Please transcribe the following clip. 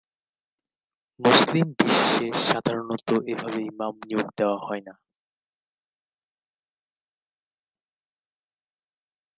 মুসলিম বিশ্বে সাধারণত এভাবে ইমাম নিয়োগ দেয়া হয়না।